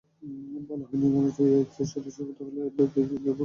বলা হয়, নিয়ম অনুযায়ী এনএসজির সদস্য হতে হলে এনপিটিতে যোগ দেওয়া অপরিহার্য।